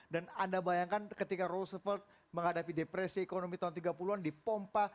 dan anda bayangkan ketika roosevelt menghadapi depresi ekonomi tahun tiga puluh an dipompa